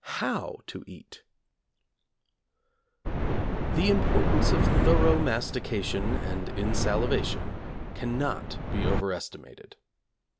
IV HOW TO EAT The importance of thorough mastication and insalivation cannot be overestimated.